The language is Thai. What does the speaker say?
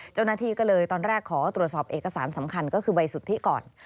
เจ้าหน้าที่ก็เลยตอนแรกขอตรวจสอบเอกสารสำคัญก็คือใบสุทธิก่อน